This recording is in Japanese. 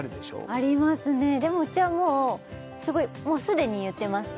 ありますねでもうちはもうすでに言ってます